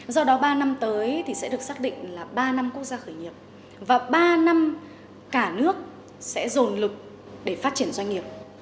do đó ba năm tới thì sẽ được xác định là ba năm quốc gia khởi nghiệp và ba năm cả nước sẽ dồn lực để phát triển doanh nghiệp